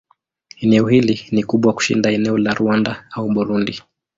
Eneo hili ni kubwa kushinda eneo la Rwanda au Burundi.